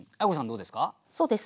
どうですか？